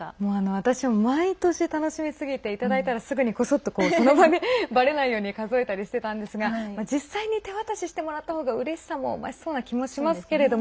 私も毎年、楽しみすぎていただいたらすぐに、こそっとその場で、ばれないように数えたりしてたんですが実際に手渡ししてもらった方がうれしさも増しそうな気もしますけれども。